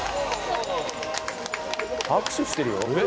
拍手してるよ。